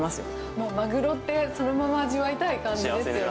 もうマグロって、そのまま味わいたい感じですよね。